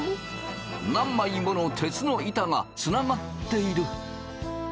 何枚もの鉄の板がつながっている。